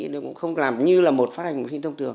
nó cũng không làm như là một phát hành một phim thông thường